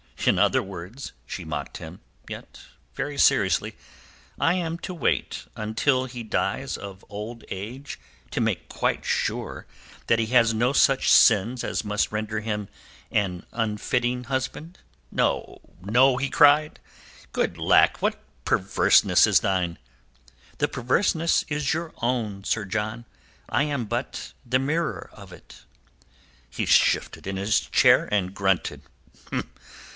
"In other words," she mocked him, yet very seriously, "I am to wait until he dies of old age to make quite sure that he has no such sins as must render him an unfitting husband?" "No, no," he cried. "Good lack! what a perverseness is thine!" "The perverseness is your own, Sir John. I am but the mirror of it." He shifted in his chair and grunted.